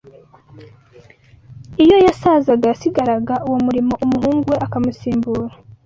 iyo yasazaga yasigiraga uwo murimo umuhungu we akamusimbura